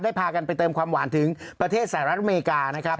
ได้พากันไปเติมความหวานถึงประเทศสระอัตเมกานะครับ